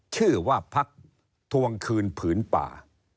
ชื่อว่าพักทวงคืนผืนป่า